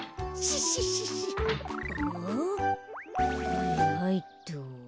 はいはいっと。